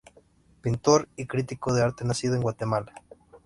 Pintor y crítico de arte nacido en Guatemala.